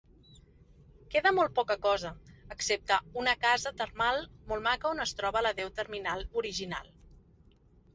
Queda molt poca cosa, excepte una casa termal molt maca on es troba la deu terminal original.